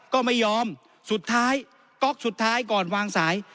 ก็ไม่ยอมสุดท้ายก๊อกสุดท้ายก่อนวางสาย